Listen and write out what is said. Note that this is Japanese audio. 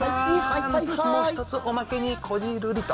もう１つおまけにこじるりと。